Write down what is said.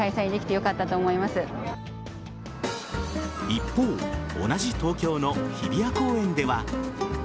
一方同じ東京の日比谷公園では。